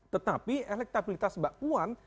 tetapi elektabilitas mbak puan